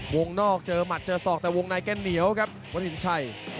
วงนอกเจอหมัดเจอศอกแต่วงในก็เหนียวครับวัดสินชัย